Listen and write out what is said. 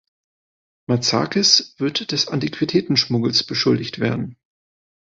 Matsakis wird des Antiquitätenschmuggels beschuldigt werden.